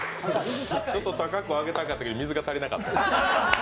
ちょっと高く上げたかったけど、水が足りなかった。